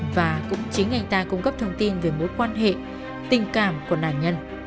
và cũng chính anh ta cung cấp thông tin về mối quan hệ tình cảm của nạn nhân